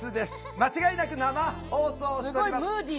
間違いなく生放送しております。